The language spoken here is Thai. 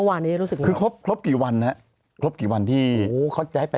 เมื่อวานรู้สึกเหมือนไหน